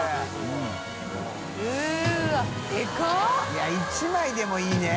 い１枚でもいいね。